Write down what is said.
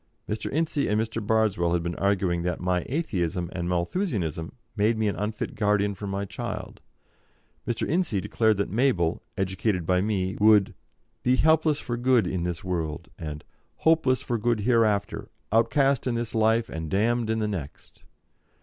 Mr. Ince and Mr. Bardswell had been arguing that my Atheism and Malthusianism made me an unfit guardian for my child; Mr. Ince declared that Mabel, educated by me, would "be helpless for good in this world," and "hopeless for good hereafter, outcast in this life and damned in the next."